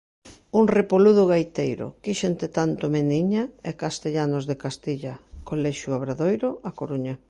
Un repoludo gaiteiro, Quíxente tanto, meniña e Castellanos de Castilla: Colexio Obradoiro, A Coruña.